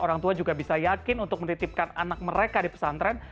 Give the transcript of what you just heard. orang tua juga bisa yakin untuk menitipkan anak mereka di pesantren